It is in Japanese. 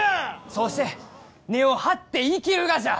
そうして根を張って生きるがじゃ！